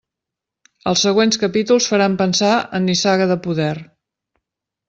Els següents capítols faran pensar en Nissaga de poder.